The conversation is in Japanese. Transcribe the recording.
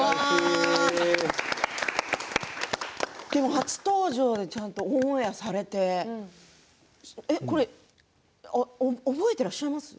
初登場でちゃんとオンエアされてこれ覚えてらっしゃいます？